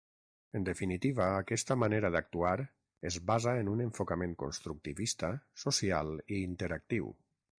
En definitiva aquesta manera d'actuar es basa en un enfocament constructivista, social i interactiu.